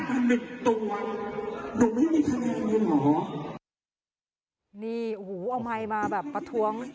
เดี๋ยวไม่มีทางเล่นหรอนี่โหเอาไมค์มาแบบประท้วง